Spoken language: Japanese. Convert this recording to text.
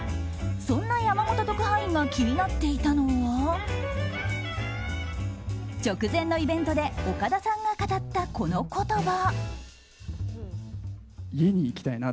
そんな山本特派員が気になっていたのは直前のイベントで岡田さんが語ったこの言葉。